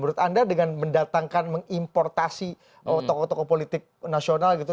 menurut anda dengan mendatangkan mengimportasi tokoh tokoh politik nasional gitu